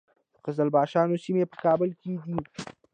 د قزلباشانو سیمې په کابل کې دي